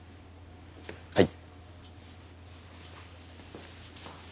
はい。